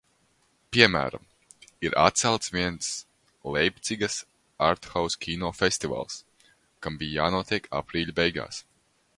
Piemēram, ir atcelts viens Leipcigas arthouse kino festivāls, kam bija jānotiek aprīļa beigās.